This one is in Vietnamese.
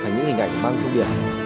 những hình ảnh vang thông điệp